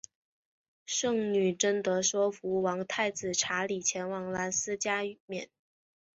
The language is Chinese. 圣女贞德说服王太子查理前往兰斯加冕。